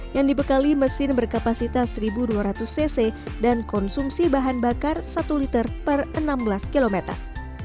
yang dibekali mesin berkapasitas satu dua ratus cc dan konsumsi bahan bakar satu liter per enam belas kilometer